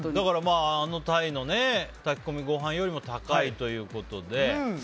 あのタイの炊き込みご飯よりも高いということで。